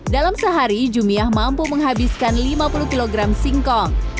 dalam sehari jumiah mampu menghabiskan lima puluh kg singkong